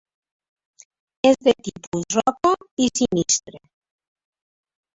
És de tipus roca i sinistre.